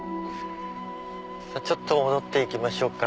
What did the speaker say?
ちょっと戻って行きましょうか。